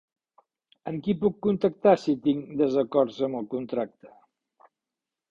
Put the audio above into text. Amb qui puc contactar si tinc desacords amb el contracte?